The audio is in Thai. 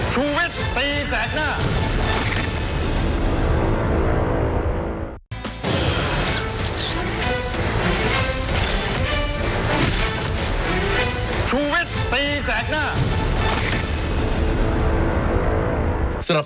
ชูวิทย์ตีแสกหน้า